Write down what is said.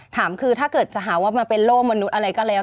ถามคือถ้าเกิดจะหาว่ามันเป็นโลกมนุษย์อะไรก็แล้ว